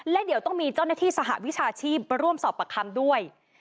และเดี๋ยวต้องมีเจ้าหน้าที่สหวิชาชีพมาร่วมสอบปากคำด้วย